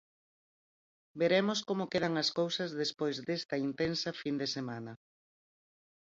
Veremos como quedan as cousas despois desta intensa fin de semana.